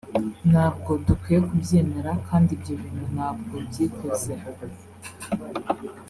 ntabwo dukwiye kubyemera kandi ibyo bintu ntabwo byikoze